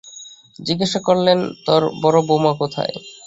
জিজ্ঞাসা করলেন, তোর বড়োবউমা কোথায়?